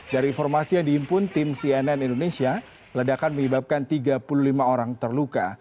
dari informasi yang dihimpun tim cnn indonesia ledakan menyebabkan tiga puluh lima orang terluka